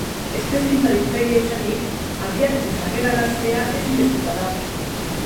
Espezie inbaditzailea izanik, habiak desagerraraztea ezinbestekoa da.